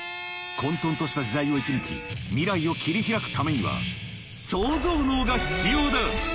混沌とした時代を生き抜き未来を切り開くためにはソウゾウ脳が必要だ！